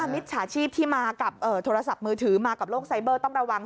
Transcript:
มิจฉาชีพที่มากับโทรศัพท์มือถือมากับโลกไซเบอร์ต้องระวัง